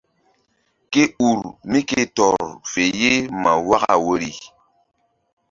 Ke ur mí ke tɔr fe ye ma waka woyri.